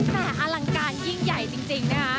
แต่อลังการยิ่งใหญ่จริงนะคะ